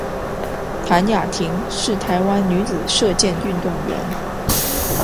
谭雅婷是台湾女子射箭运动员。